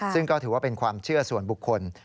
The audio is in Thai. ซึ่งก็ถือว่าเป็นความเชื่อส่วนบุคคล